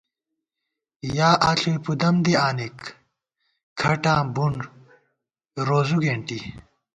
یا آݪُوئی پُدَم دی آنِک ،کھٹاں بُنڈ روزُو گېنٹی